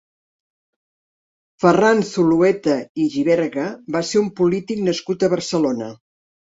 Ferran Zulueta i Giberga va ser un polític nascut a Barcelona.